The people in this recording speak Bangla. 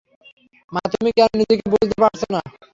মা তুমি কেন নিজেকে বোঝাতে পারছ না?